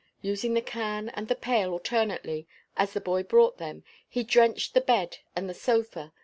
Using the can and the pail alternately, as the boy brought them, he drenched the bed and the sofa.